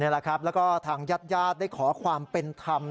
นี่แหละครับแล้วก็ทางญาติยาติได้ขอความเป็นธรรม